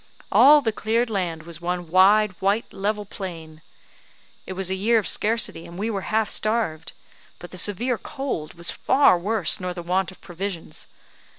All the cleared land was one wide white level plain; it was a year of scarcity, and we were half starved; but the severe cold was far worse nor the want of provisions.